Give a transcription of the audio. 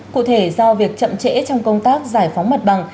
cụ thể do việc chậm trễ trong công tác giải phóng mặt bằng